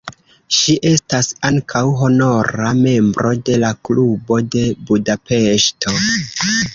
Ŝi estas ankaŭ honora membro de la Klubo de Budapeŝto.